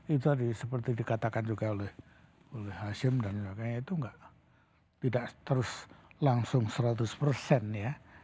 itu tadi seperti dikatakan juga oleh hashim dan sebagainya itu tidak terus langsung seratus persen ya